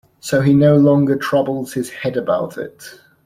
So he no longer troubles his head about it.